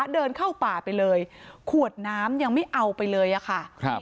เดินเข้าป่าไปเลยขวดน้ำยังไม่เอาไปเลยอะค่ะครับ